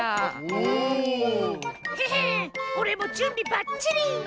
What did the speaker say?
おおっ！へへおれもじゅんびばっちり！